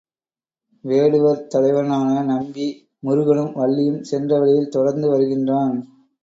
வேடுவர் தலைவனான நம்பி, முருகனும் வள்ளியும் சென்ற வழியில் தொடர்ந்து வருகின்றான்.